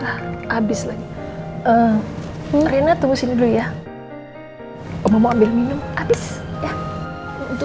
habis lagi rena tunggu sini dulu ya omong ambil minum habis ya untuk